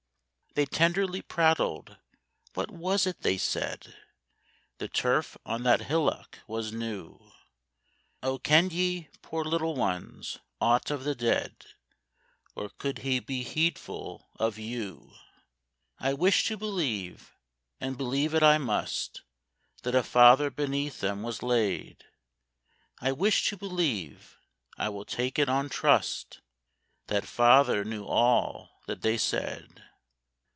They tenderly prattled,—what was it they said? The turf on that hillock was new: O! kenn'd ye, poor little ones, aught of the dead, Or could he be heedful of you? I wish to believe, and believe it I must, That a father beneath them was laid: I wish to believe,—I will take it on trust, That father knew all that they said.